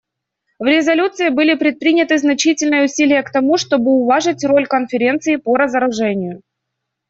В резолюции были предприняты значительные усилия к тому, чтобы уважить роль Конференции по разоружению.